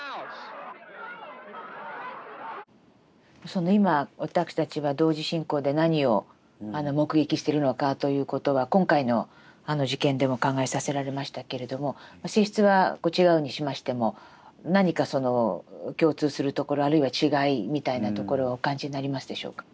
その今私たちは同時進行で何を目撃してるのかということは今回のあの事件でも考えさせられましたけれども性質は違うにしましても何かその共通するところあるいは違いみたいなところをお感じになりますでしょうか？